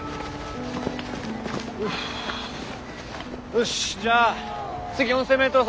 よしじゃあ次４，０００ｍ走。